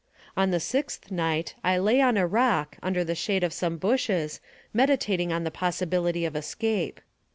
On the sixth night, I lay on a rock, under the shade of some bushes, meditating on the possibility of escape.